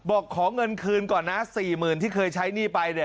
บอกขอเงินคืนก่อนนะ๔๐๐๐ที่เคยใช้หนี้ไป